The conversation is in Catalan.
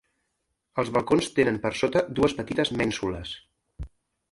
Els balcons tenen per sota dues petites mènsules.